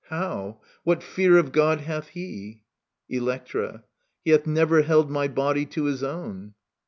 How i What fear of God hath he ? Electra. He hath never held my body to his own.